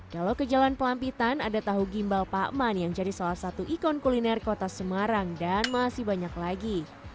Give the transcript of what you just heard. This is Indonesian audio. kalau ke jalan pelampitan ada tahu gimbal pak man yang jadi salah satu ikon kuliner kota semarang dan masih banyak lagi